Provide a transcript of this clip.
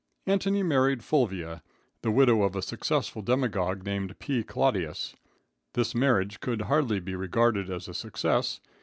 Antony married Fulvia, the widow of a successful demagogue named P. Clodius. This marriage could hardly be regarded as a success.